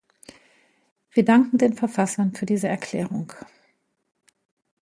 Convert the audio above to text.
Wir danken den Verfassern für diese Erklärung.